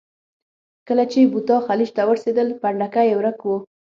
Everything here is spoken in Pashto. کله چې بوتا خلیج ته ورسېدل، پنډکی یې ورک و.